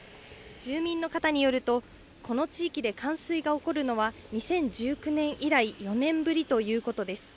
住民の方によると、この地域で冠水が起こるのは、２０１９年以来、４年ぶりということです。